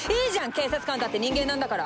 警察官だって人間なんだから。